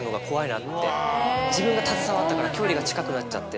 自分が携わったから距離が近くなっちゃって。